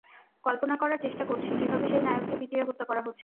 কল্পনা করার চেষ্টা করছি, কীভাবে সেই নায়ককে পিটিয়ে হত্যা করা হচ্ছে।